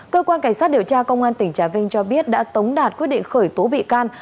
cơ quan cảnh sát điều tra công an tỉnh trà vinh cho biết đã tống đạt quyết định khởi tố bị can